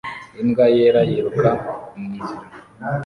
Imbwa yera yiruka mu nzira